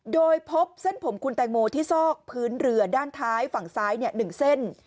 โดยพบเส้นผมคุณแตงโมที่ซอกพื้นเรือด้านท้ายฝั่งซ้าย๑เส้น